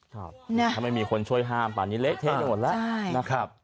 ถ้าไม่มีคนช่วยห้ามตอนนี้เละเทนหมดแล้ว